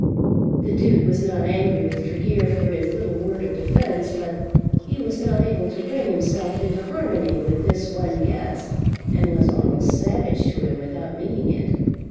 The Duke was not angry with Tregear for his little word of defence, but he was not able to bring himself into harmony with this one guest, and was almost savage to him without meaning it.